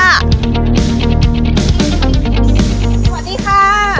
สวัสดีค่ะ